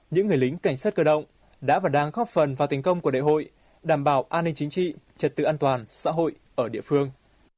những người lính cảnh sát cơ động đã và đang góp phần vào thành công của đại hội đảm bảo an ninh chính trị trật tự an toàn xã hội ở địa phương